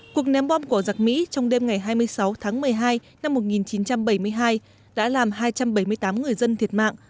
cuộc ném bom của giặc mỹ trong đêm ngày hai mươi sáu tháng một mươi hai năm một nghìn chín trăm bảy mươi hai đã làm hai trăm bảy mươi tám người dân thiệt mạng